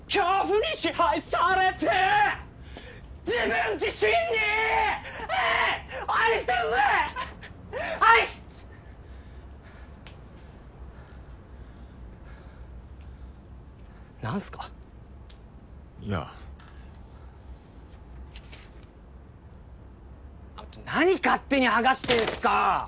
なに勝手に剥がしてんすか！